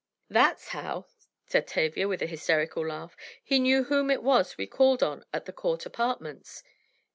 "That's how," said Tavia, with a hysterical laugh, "he knew whom it was we called on at the Court Apartments!"